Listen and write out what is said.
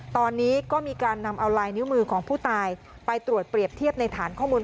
ตอนนี้ก็มีการนำเอาลายนิ้วมือของผู้ตายไปตรวจเปรียบเทียบในฐานข้อมูล